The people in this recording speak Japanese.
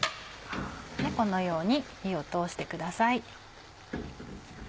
このように火を通してください。